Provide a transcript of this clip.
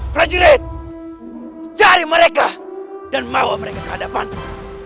prajurit cari mereka dan bawa mereka ke hadapanmu